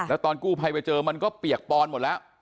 แล้วตอนกู้ภัยไปเจอมันก็เปียกปอนหมดแล้ว